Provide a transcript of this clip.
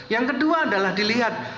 yang kedua adalah dilihat